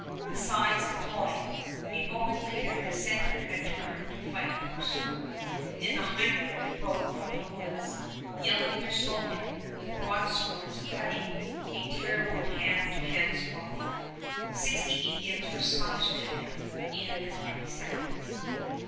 The sides deployed. A moment later the center had turned to fight the pursuer, and the Highlanders broke from the woods, yelling their slogan, with broadswords cutting a terrible hand to hand swath. Sixty Indians were slashed to death in as many seconds.